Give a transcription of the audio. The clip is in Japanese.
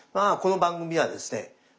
この番組はですね